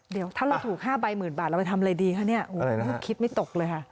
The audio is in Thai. เดี๋ยวถ้าเราถูก๕ใบหมื่นบาทเราไปทำอะไรดีคะเนี่ยคิดไม่ตกเลยค่ะ